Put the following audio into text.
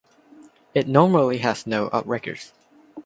It normally has no outriggers.